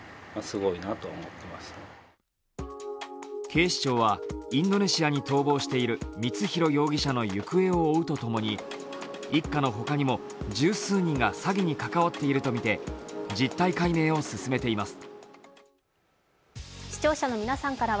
警視庁は、インドネシアに逃亡している光弘容疑者の行方を追うとともに一家の他にも、十数人が詐欺に関わっているとみて実態解明を進めています。